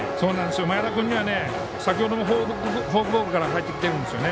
前田君には先ほどもフォークボールから入ってきているんですよね。